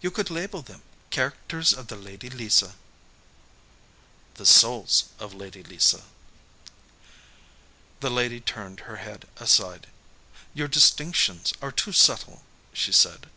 You could label them 'Characters of the Lady Lisa.'" "The Souls of Lady Lisa." The lady turned her head aside. "Your distinctions are too subtle," she said.